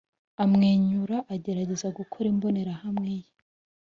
amwenyura agerageza gukora imbonerahamwe ye